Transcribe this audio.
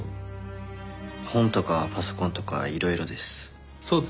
本とかパソコンとかいろいろです。